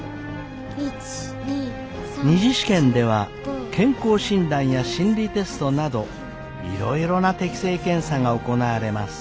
２次試験では健康診断や心理テストなどいろいろな適性検査が行われます。